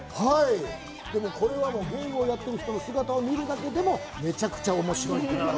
これはゲームをやってる人の姿を見るだけでもめちゃくちゃ面白い。